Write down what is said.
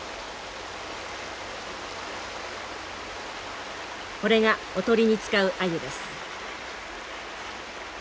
これがおとりに使うアユです。